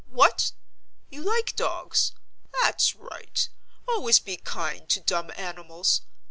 What? You like dogs? That's right! Always be kind to dumb animals.